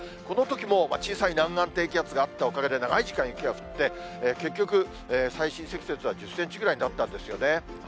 このときも小さい南岸低気圧があったおかげで長い時間雪が降って、結局、最深積雪は１０センチぐらいになったんですよね。